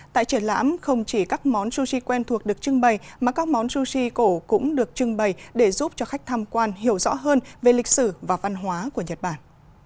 tại triển lãm không chỉ các món sushi quen thuộc được trưng bày mà các món sushi cổ cũng được trưng bày để giúp cho khách tham quan hiểu rõ hơn về lịch sử và văn hóa của nhật bản